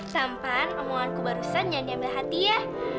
sampan omonganku barusan jangan diambil hati ya